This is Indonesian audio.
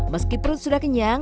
meski perut sudah kenyang